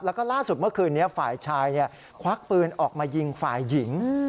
แล้วก็ล่าสุดเมื่อคืนนี้ฝ่ายชายควักปืนออกมายิงฝ่ายหญิง